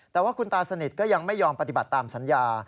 แต่ว่าคุณตาสนิทก็ยังไม่ยอมปฏิบัติตามสัญญา